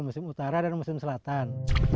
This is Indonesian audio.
musim utara dan musim selatan